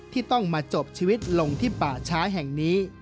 ที่ต้องมาจบชีวิตลงที่ป่าช้าแห่งนี้